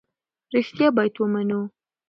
رښتیا باید ومنو.